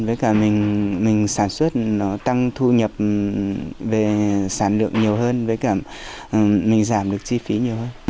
với cả mình sản xuất nó tăng thu nhập về sản lượng nhiều hơn với cả mình giảm được chi phí nhiều hơn